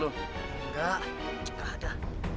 enggak gak ada